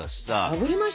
あぶりましたね。